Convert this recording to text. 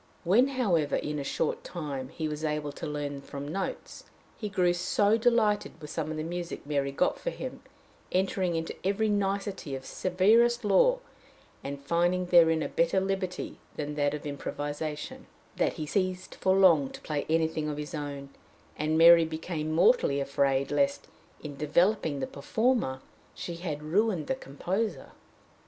When, however, in a short time, he was able to learn from notes, he grew so delighted with some of the music Mary got for him, entering into every nicety of severest law, and finding therein a better liberty than that of improvisation, that he ceased for long to play anything of his own, and Mary became mortally afraid lest, in developing the performer, she had ruined the composer.